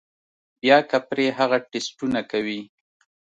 بيا کۀ پرې هغه ټسټونه کوي